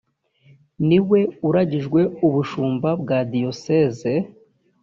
ni we uragijwe ubushumba bwa diyoseze